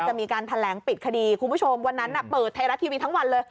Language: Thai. จะมีการแถลงปิดคดีคุณผู้ชมวันนั้นเปิดไทยรัฐทีวีทั้งวันเลย